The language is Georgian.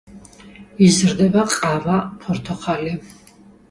იზრდება ყავა, ფორთოხალი.